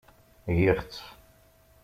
Giɣ-tt.